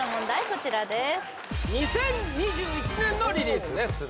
こちらです